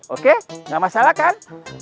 oke gak masalah kan